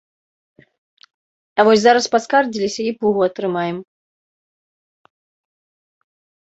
А вось зараз паскардзіліся, і пугу атрымаем.